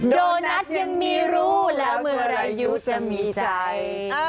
โดนัทยังมีรู้แล้วเมื่อไรยูจะมีใจ